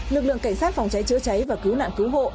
lực lượng cảnh sát phòng cháy chữa cháy và cứu nạn cứu hộ